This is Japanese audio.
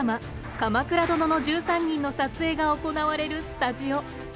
「鎌倉殿の１３人」の撮影が行われるスタジオ。